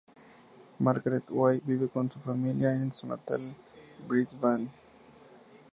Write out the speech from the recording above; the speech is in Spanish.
Margaret Way vive con su familia en su natal Brisbane.